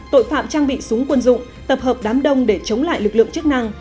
tội phạm trang bị súng quân dụng tập hợp đám đông để chống lại lực lượng chức năng